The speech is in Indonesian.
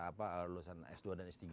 keputusan s dua dan s tiga